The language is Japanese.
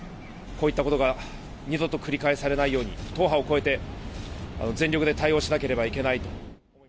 こういったことが二度と繰り返されないように、党派を超えて、全力で対応しなければいけないと。